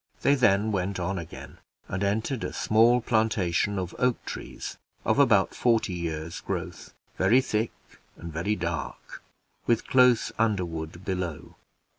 They then went on again, and entered a small plantation of oak trees, of about forty years' growth very thick and very dark, with close underwood below.